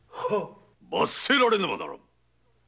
罰せられねばならぬ。